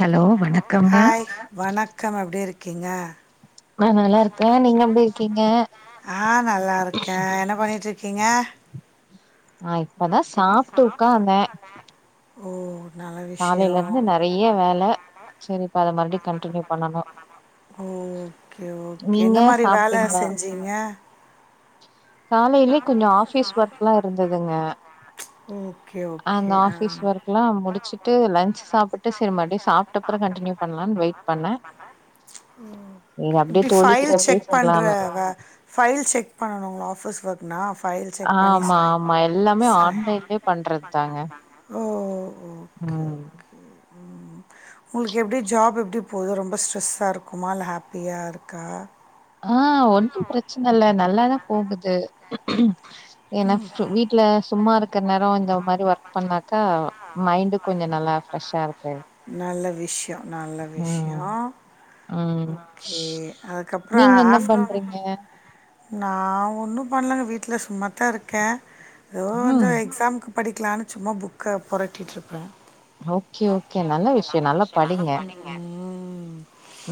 Hello வணக்கங்க hi வணக்கம் எபடி இருக்கீங்க நா நல்லா இருக்கேன் நீங்க எப்படி இருக்கீங்க ஆ நல்லா இருக்கேன் என்ன பண்ணிட்டு இருக்கீங்க ஆ இப்பதான் சாப்ட்டு உக்காந்தே ஓ நல்ல விஷயம் காலேலருந்து நறைய வேல சரி இப்ப அது மறுபடி கண்டடினியூ பண்ணணும் ஓகே ஓகே என்ன மாரி வேல செஞ்சீங்க காலைலயே கொஞ்சம் ஆபீஸ் ஒர்க் எல்லாம் இருந்ததுங்க ஓகே ஓகே அந்த ஆ ஆபிஸ் ஒர்க் எல்லாம் முடிச்சுட்டு லன்சு சாப்பிட்டு சுமாட்டி சாப்ட அப்ற கண்டடினியூ பண்ணலான்னு வெயிட் பண்ணேன் இப்டி தோழி பைல் கிட்ட செக் பண்ற பேசிக்கலான்னு ஃபைல் செக் பண்ணணுங்களா ஆஃபீஸ் ஒர்க் நா ஃபல்ஸ் ஆமா ஆமா எல்லாமே ஆன்லைன்லயே பண்றது தாங்க ஓ ஓகே ம் ஓகே உங்களுக்கு எப்டி ஜாப் எப்டி போகுது ரொம்ப ஸ்ட்ரெஸ்ஸா இருக்குமா இல்லை ஹாப்பியா இருக்கா ஆ ஒன்னும் பிரச்சன இல்ல நல்லாதா போகுது என்ன வீட்ல சும்மா இருக்கற நேரம் இந்த மாதிரி ஒர்க் பண்ணாதா மைண்டு கொஞ்சம் நல்லா ஃப்ரெஷ்ஷா இருக்கு நல்ல விஷ்ய நல்ல விஷ்ய ம் ம் ஓகே அதுக்கப்புறம் நீங்க என்ன ஆப் பண்றீங்க நான் ஒன்னும் பண்ணலங்க வீட்டுல சும்மத்தான் இருக்கேன் ஏதோ ம் வ்சம் எக்ஸாம்க படிக்கலான்னு சும்மா புக்க பபொரட்டிட்ருப்பே ஓகே ஓகே நல்ல விஷயம் நல்லா படிங்க ம்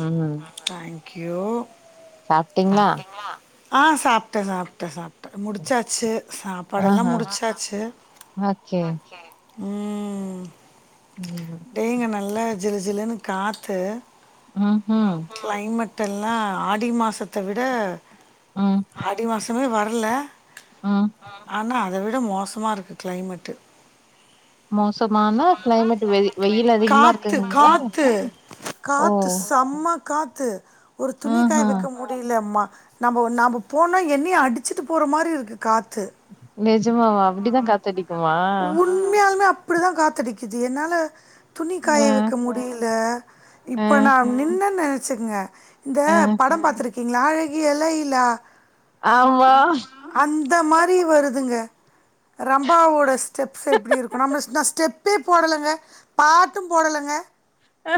ம் தேங்க்யூ சாப்ட்டீங்களா சாப்டிங்ளா ஆ சாப்ட்டேன் சாப்ட்டேன் சாப் முடிச்சாச்சு சாப்பாடு எல்லாம் ஆஹா முடிச்சாச்சு ஓகே ம் ம் டயங்க நல்லா ஜிலு ஜிலுன்னு காத்து ம்ஹும் கிளைமேட்டல்லாம் ஆடி மாசத்த விட ஆடி மாசம் எதுமே வரல ஆ ஆனா அத விட மோசமா இருக்கு கிளைமேட்டு் மோசமான கிளைமேட் வெயி வெயில் அதிகமா காத்து இருக்குங்கீங்களா இல்ல காத்து ஓ காத்து செம்ம காத்து ஒரு துணிக்காய ஆஹா வக்க முடி ல ஆமா நம்ம நம்ப போனா என்னய அடிச்சுட்டு போற மாரி இருக்கு காத்து நிஜமாவ அப்டிதான் காத்தடிக்குமா உண்மயாலுமே அப்டிதா காத்தடிக்குது என்னால ஆ துணிக்காய வக்க முடில ஆ இப்ப நா நின்னன் நனச்சுங்க இந்த ஆ படம் பாத்துருக்கீங்ளா அழகிய லைலா ஆமா அந்த மாரி வருதுங்க ரம்பாவோட ஸ்டெப்ஸ் எப்டி இருக்கு நம்மஸ் நா ஸ்டெப்பே போடலங்க பாட்டு போடலங்க ஆ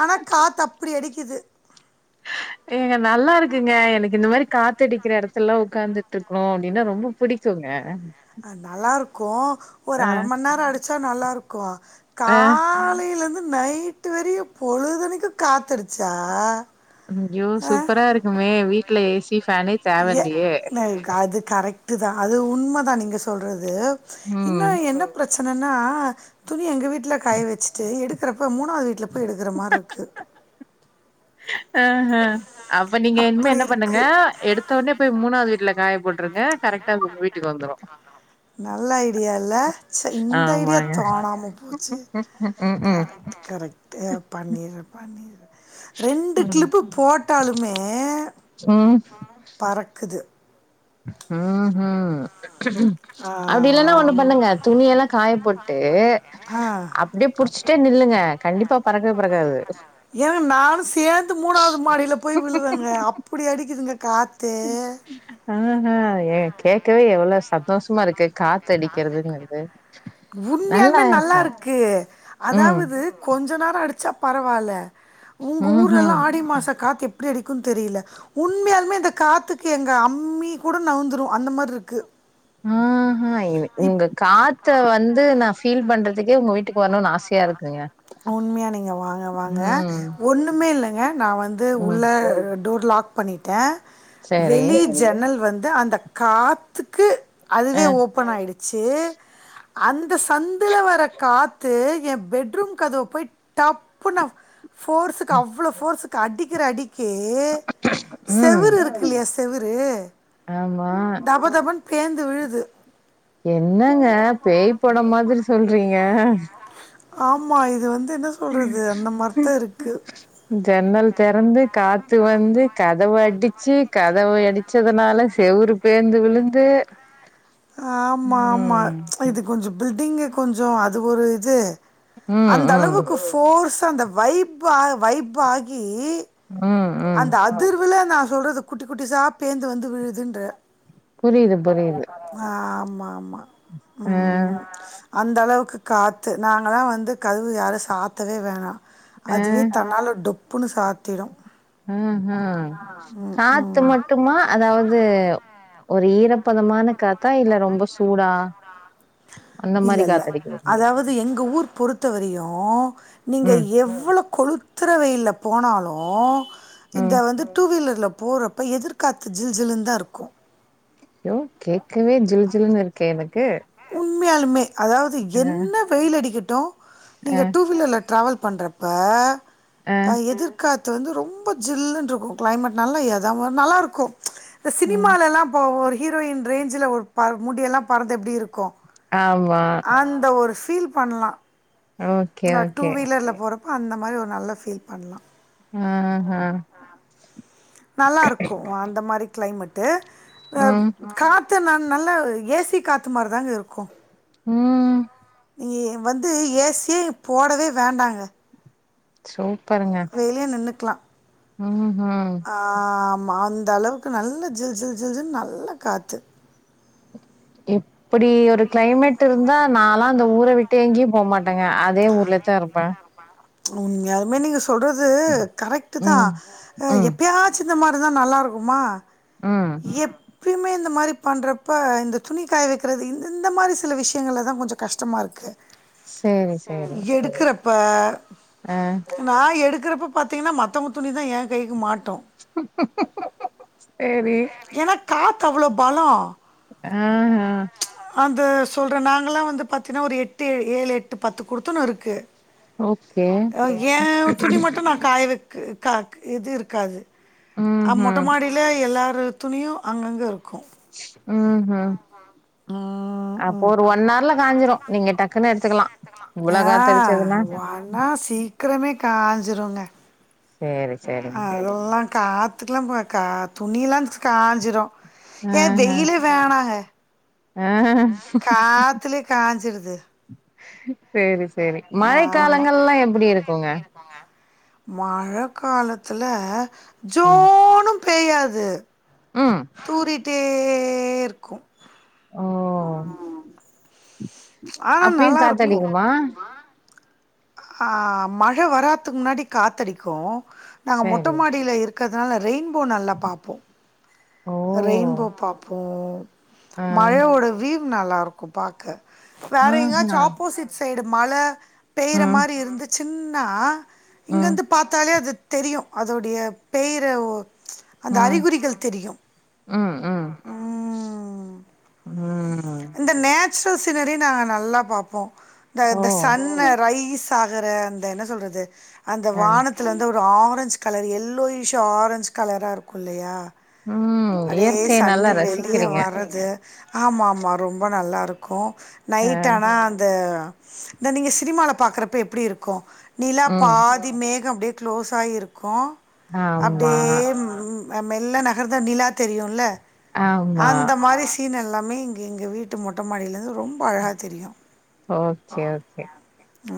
ஆனா காத்து அப்டி அடிக்கிது ஏங்க நல்லா இருக்குங்க எனக்கு இந்த மாரி காத்தடிக்கிற எடத்துல்லா ஒக்காந்துட்ருக்கணு அப்டினா ரொம்ப புடிக் தூங்க அ நல்லாருக்கூ ஒரு அர மண் நேரோ அடிச்சா நல்லாருக்கூ அ. காலையிலர்ந்து நைட்டு வரையு பொழுதனைக்கு காத்தடிச்சா ஐயோ ஆ சூப்பரா இருக்குமே வீட்ல ஏசி பேனே ஏ ந எக் அது கரெக்டுதா அது உண்மதா நீங்க சொல்றது ம். இன்னு என்ன பிரச்சனனா துணி எங்க வீட்ல காய வச்சிட்டு எடுக் குறப்ப மூணாவது வீட்ல போய் எடுக்குற மாரி இருக்கு ஆஹா அப்ப நீங்க இனிமே அப்டி என்ன பண்ணுங்க இருக்கு எடுத்த ஒடனே போய் மூணாவது வீட்ல காயப் போட்ருங்க கரெக்டா அது உங்க வீட்டுக்கு வந்துரு நல்ல ஐடியா இல்ல சே இந்த ஐடியா ஆமாங்க. தோணாம போச்சே ம்க்ம். கரெக்ட் கரெக்ட் பண்ணர்ர பண்ணிர்ர ரெண்டு ம். கிளிப்பு போட்டாலுமே ம். பறக்குது ம் ம் ஆ அப்டி இல்லனா ஒண்ணு ஆமா பண்ணுங்க துணியெல்லா காய போட்டு ஆ அப்டியே புடிச்சிட்டே நில்லுங்க கண்டிப்பா பறக்கவே பறக்காது ஏங்க நானு சேந்து மூணாவது மாடியில போய் விழுவங்க அப் அப்புடி அடிக்குதுங்க காத்தூ ஆஹா ஏங்க கேட்கவே எவ்வளோ சந்தோஷமா இருக் து காத்தடிக்கிறதுங்கற்து உண்மையால்மே நல்லாருக்கு ம் அதாவது கொஞ்சொ நேரோ அடிச்சா பரவாயில்ல உங்க ஊர்லெல்லா ம்ஹும் ஆடி மாச காத்து எப்டி அடிக்குன் தெரியல உண்மையாலுமே இந்த காத்துக்கு எங்க அம்மி கூட நவந்துரு அந்த மாரிருக்கு ஆஹா எனு உங்க காத்த வந்து நா பீல் பண்றதுக்கே உங்க வீட்டு வீட்டுக் வரணுன் ஆசையா இருக்குங்க உண்மையா நீங்க வாங்க வாங்க ம் ஒண்ணுமே இல்லங்க நா வந்து ம் உள்ள டோர் லாக் பண்ணிட்டே சரி வெளிய ஜன்னல் வந்து அந்த காத்துக்கு அ அதுவே ஓப்பன் ஆயிடுச்சீ அந்த சந்துல வரக் காத்து ஏ பெட்ரூம் கதவப்போய் டப்புனு போர்ஸுக்கு அவ்வளோ போர்ஸுக்கு அடிக்கிற அடி கீ ம் செவுரு இருக்குல்லையா செவுரூ ஆமா தபதபன் பேந்து விழுது என்னங்க பேய் படோ மாதிரி சொல்றீங்க ஆமா இத வந்து என்ன சொல்றது அந்த மாரிதா இருக்கு ஜன்னல் தெறந்து காத்து வந்து கதவ அடிச்சி கதவை அடி ச்சதுனால செவுரு பேந்து விழுந்தூ ஆமா ஆமா இது கொஞ்சம் பில்டிங்கு கொஞ்சம் அது ஒரு இது ம் அந்த ம் அளவுக்கு போஃர்ஸ் அந்த வைப் வைப்ஆகி ம் ம் அந்த அதிர்வுல நா சொல்றது குட்டி குட்டிசா பேந்து வந்து விழுதுன்ற புரியுது புரியுது ஆ ஆமா ஆமா ஆ ம் அந்த அளவுக்கு காத்து நாங்கலா வந்து கதவு யாரு சாத்தவே வேணா ஆ அதுவே தன்னால டொப்புனு சாத்திடு ம் ம் ம். காத்து மட்டுமா அதாவது ஒரு ஈரப்பதமான காத்தா இல்ல ரொம்ப சூடா அந்த இல்ல மாரி இல்ல காத்தடிக்குது அதாவது எங்க ஊர் பொறுத்தவரையு நீங்க ம் எவ்ளோ கொழுத் துற வெயில போனாலும் இந்த ம் வந்து டூ வீலர்ல போறப் ப்ப எதிர்காத்து ஜில் ஜில்ந்தா இருக்கும் ஐயோ கேட்கவே ஜில் ஜில்னு இருக்கே எனக்கு உண்மயாலுமே அதாவது ஆ என்ன வெயில் அடிக்கட்டும் நீங்க ஆ டூ வீலர்ல ட்ராவல் பண்றப் ப்ப ஆ அ எதிர் காத்து வந்து ரொம்ப ஜில்ன்னு இருக்கும் கிளைமேட் நல்ல எதம் நல்லா இருக்கும் இந்த ம் சினிமாலல்லா இப்போ ஒரு ஹீரோயின் ரேஞ்சுல ஒரு முடியெல்லா பறந்தா எப்டி இருக்கும் ஆமா அந்த ஒரு பீல் பண்லா ஓகே இந்த டூ ஓகே வீலர்ல போறப் அந்த மாரி ஒரு நல்ல பீல் பண்லா ம் ம் நல்லாருக்கும் அந்த மாரி கிளைமேட்டு ஆ ம் காத் மத்த நான் நல்ல ஏசி காத்து மாரி தாங்க இருக்கு ம் நீ வந்து ஏசியே போடவே வேண்டாங்க சூப்பருங்க அப்டியே நின்னுக்கலாம் ம் ம் ஆமா‌ அந்த அளவுக்கு நல்ல ஜில் ஜில் ஜில் ஜில் நல்ல காத்து இப்டி ஒரு கிளைமேட் இருந்தா நாலாம் அந்த ஊர விட்டு எங்கேயும் போமாட் டே அதே ஊர்ல தான் இருப்பே உண்மையாளுமே நீங்க சொல்றது கரெக்ட் தான் ம் அ ம் எப்பயா ச்சி இந்த மாரி தான் நல்லா இருக்குமா ம் எப்பயுமே இந்த மாரி பண்றப் ப்ப இந்த துணி காய வைக்கிறது இந்த இந்த மாரி சில விஷயங்கள தான் கொஞ்சம் கஷ்டமா இருக்கு சேரி சேரி எடுக்குறப்ப ஆ நா எடுக்குறப்ப பாத்தீங்கன்னா மத்தவங்க துணிதா எ கைக்கு மாட்டும் சேரி ஏனா காத்து அவ்ளோ பலோ ஆ ஆ அந்த சொல்றே நாங்கல்லா வந்து பாத்தீன்னா ஒரு எட்டு ஏழு எட்டு பத்து குடுத்தனம் இருக்கு ஓகே அ ஏ துணி மட்டு நா காய வக்கு க இது இருக்காது அ மொட்ட ம்ஹும் மாடி லே எல்லாரு துணியும் அங்கங்க இருக்கும் ம் ம் ம் ம் ஹர்ல காஞ்சிரு நீங்க டக்குன்னு எடுத்துக்கலா இவ்ளோ ஆ காத்தடிச்சதுன்னா ஒன்னாசீ கிறமே காஞ்சிரூங்க சேரி சேரிங்க அதெல்லா காத்துக்குலா போ கா துணியிலா காஞ்சிரூ ஏ ஆஹ வெயிலே வேணாங்க ஆ காத்துலை காஞ்சிருது சேரி சேரி மழை காலங்கள்லா எப்பிடி இருக்குங்க மழக் காலத்துல ம் ஜோனூ பெய்யாது ம் தூறிட்டே இருக்கு ஓ ஆனா அப்பயு நல்லா இருக்கு காத்தடிக்குமா ஆ மழ வராத்துக்கு முன்னாடி காத்தடிக்கூ நாங்க மொட்ட சேரி மாடியில இரு கதுனால ரெயின்போ நல்லா பாப்போ ஓ ரெயின்போ பாப்போ ஆ மழை ஓட வீவ் நல்லா இருக்கு பாக்க வேற எங்கயாச்சு ஆஹா ஆப்போசிட் சைடு மழ பெய்ற ம் மாரி இருந்து சின்னா ம் இங்கந்து பாத்தாலே அது தெரியு அதோடைய பெய்ர ஒ அந்த ம் அறிகுறிகள் தெரியு ம் ம் அந்த நேச்சுரல் சீனரியே நாங்க நல்லா பாப்போ இந்த ஓ இந்த சன்ன ரைஸ் தாகுற அந்த என்ன சொல்றது அந்த ஆ வானத் துலந்து ஒரு ஆரஞ்ச் கலர் எல்லோயிஷ் ஆரஞ்ச் கலரா இருக்கு இல்லையா ம். அப்டியே இயற்கைய நல்லா சன்னு வெளிய ரசிக்கிறீங்க. வரது ஆமாமா ரொம்ப நல்லாருக்கு அ. நைட்டான அந்த இந்த நீங்க சினிமால பாக்றப்ப எப்டி இருக்கு நிலா ம். பாத் தி மேகோ அப்டியே க்ளோஸாயி இருக்கு ஆமா, அப்டியே ம் மெ மெல்ல நகர்ந்தா நிலா தெரியுல்ல ஆமா. அந்த மாரி சீன் எல்லா மே இங்க எங்க வீட்டு மொட்ட மாடியிலந்து ரொம்ப அழகா தெரியு ஓ சே ஓகே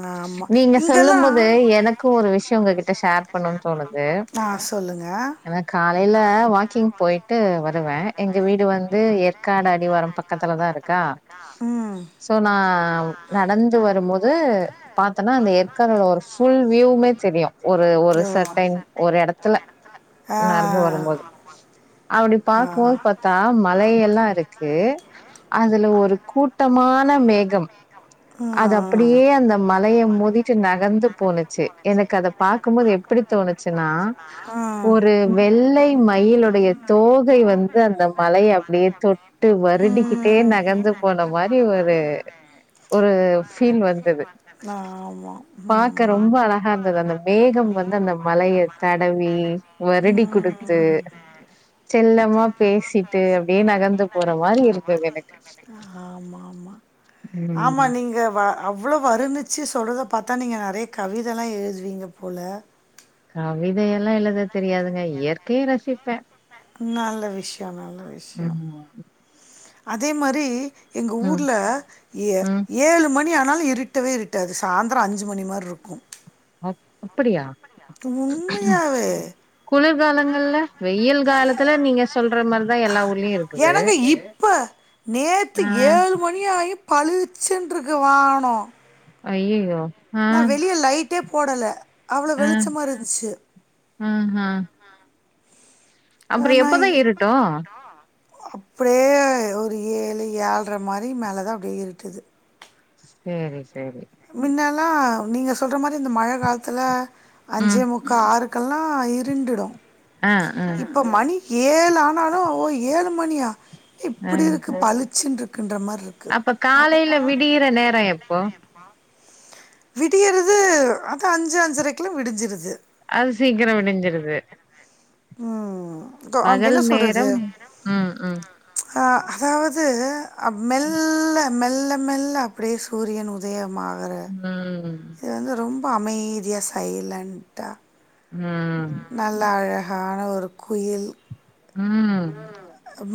நாம் நீங்க சொல்லும் போது எனக்கு ஒரு விஷயோ உங்ககிட்ட ஷேர் பண்ணோன் தோணுது ஆ சொல்லுங்க எனக் காலையில வாக்கிங் போயி டு வருவே எங்க வீடு வந்து ஏற்காடு அடிவாரோ பக்கத்துலதா இருக்கா ம் சோ நா நடந்து வரும்போது பாத்தனா அந்த ஏற்காடோட ஒரு ஃபுல் வியூமே தெரியு ஒரு ஒரு சர்டைன் ஒரு எடத்துல ஆ நடந்து வரும்போது அப்டி பாக்கும்போது பாத் தா மழையெல்லா இருக்கூ அதுல ஒரு கூட்டமான மேகம் அது ம் அப்டியே அந்த மலைய மோதிட்டு நக கந்து போணுச்சி எனக்கு அத பாக்கும்போது எப்பிடி தோணுச்சினா ம் ஒரு வெள்ளை மயிலுடைய தோகை வந்து அந்த மலைய அப்டியே தொட் டு வருடிகிட்டே நடந்துகிட்டே நகந்து போன மாரி ஒரு ஒரு ஃபீல் வந்தது ஆம் பாக்க ரொம்ப அழகா இருந்தது அந்த மேகம் வந்து அந்த மலைய தடவி வருடி மனதி குடுத்து ம் செல்லம்மா பேசி எனக்கு ஆமாமா ஆமா ம் நீங்க வா அவ்வளோ வருணிச்சி சொல்றத பாத்தா நீங்க நெறையா கவிதெலா எழுதுவீங்க போல கவிதை எல்லா எழுத தெரியாதுங்க இயற்கைய ரசிப்பே நல்ல விஷயோ நல்ல விஷயோ ம் அதே மாரி எங்க ம் ஊர்ல இய ம் இ ஏழு மணி ஆனாலு இருட்டவே இருட்டாது சாந்தரோ அஞ்சு மணி மாரிருக்கு அப் அப்படியா உண்மையாவே குளிர்காலங்கள்ல வெயில் காலத்துல நீங்க சொல்ற மாரிதா எல்லா ஊர்லயு இருக்குது எனங்க இப்ப நேத்து ஆ ஏழு மணியாயு பளுச்சுன்ருக்கு வானோ ஐயயோ நா வெளிய லைட்டே போடல அவ்வளோ ஆ வெளிச்சமா இருந்துச்சு ஆ ஆ ஆ அப்புறோ நாய் எப்பதா இருட்டு அப்டியே ஒரு ஏழு ஏழ்ற மாரி மேலேதா அப்டியே இருட்டுது சேரி சேரி மின்னல்லா நீங்க சொல்ற மாரி அந்த மழ காலத்துல அஞ்சே ம் முக்கா ஆறு கல்லா இருண்டுடு ஆஹ் ம் போ மணி ஏழானாலு ஓ ஏழு மணியா ஆ இப்பிடி இருக்கு பளு ச்சின்ருக்குன்ற மாரிருக் அப்ப காலையில விடியிற நேரோ எப்போ விடியிறது அது அஞ்சு அஞ்சரைக்லா விடிஞ்சிருது அது சீக்கரோ விடிஞ்சிருது உம் பகல் நேரம் ம் ம் ஹா அதாவது அ மெல்ல மெல்ல மெல்ல அப்டியே சூரியன் உதயமாகுற உம் இது வந்து ரொம்ப அமைதியா சைலெண்ட்டா உம் நல்ல அழகான ஒரு குயில் ம்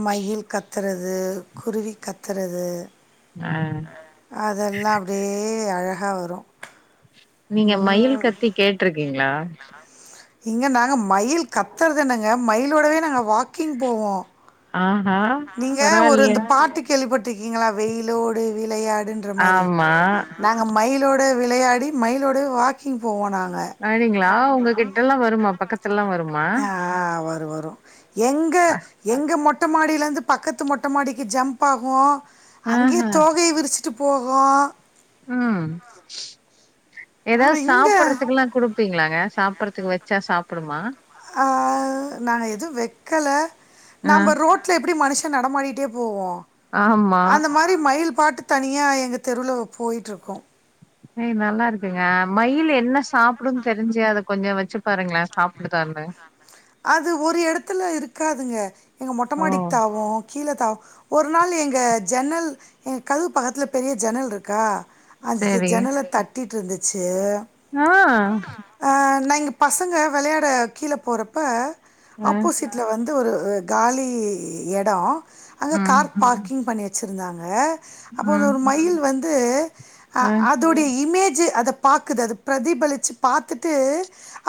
மயில் கத்துறது குருவி கத்துறது ஆ அதெல்லா அப்டியே அழகா வரு நீங்க மயில் கத்தி கேட்ருக்கீங்ளா இங்க நாங்க மயில் கத்துறது என்னங்க மயிலோடவே நாங்க வாக்கிங் போவோ ஆஹா நீங்க ஒரு பரவாயில்லையே இந்த பாட்டுக் கேள்விப்பட்ருக்கீங்களா வெயிலோடு விளையாடுன்ற மாரி ஆமா நாங்க மயிலோட விளையாடி மயிலோடவே வாக்கிங் போவோ நாங்க அப்டிங்களா உங்ககிட்டல்லா வருமா பக்கத்துல்லா வருமா ஆ ஆ வரு வரு எங்க எங்க மொட்ட மாடியிலருந்து பக்கத்து மொட்ட மாடிக்கு ஜம்ப் ஆகு அங்கயே ஆஹா தோகைய விரிச்சிட்டு போகூ உம் ஷ் ம் ஏதாவது இங்க சாப்பிட்றதுக்கெல்லா குடுப்பீங்களாங்க சாப்பட்றதுக்கு வெச் ச்சா சாப்டுமா அ நாங்க எதுவு வெக்கல ஆ நாம்ப ரோட் ட்ல எப்டி மனுஷ நடமாடிட்டே போவோ ஆமா அந்த மாரி மயில் பாட்டு தனியா எங்க தெருவுல போயிட்ருக்கு ஏய் நல்லா இருக்குங்க மயில் என்ன சாப்டுன் தெரிஞ்ச அத கொஞ்ச வெச்சு பாருங்களே சாப்டுதானு அது ஒரு எடத்துல இருக்காதுங்க எங்க மொட்ட ஓ மாடிக் தாவு கீழ தாவு ஒரு நாள் எங்க ஜன்னல் எங்க கதுவு பக்கத்ல பெரிய ஜன்னல் ருக்கா அஞ்சுசு செரி ஜன்னல தட்டிட்டிருந்துச்சு ஆ நா இங்கள் பசங்க வெளையாட கீழ போறப்ப அ ஆப்போசிட் வீட்ல வந்து ஒரு காலி எடோ அங்க ம் கார் பார்க்கிங் பண்ணி வெ ச்சிருந்தாங்க அப்போ அங்க ம் ஒரு மயில் வந்து அ அத் தோடைய இமேஜு அத பாக்குது அது ப்ரதிபலிச்சு பாத்துட்டு